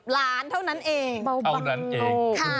๓๐ล้านเท่านั้นเอง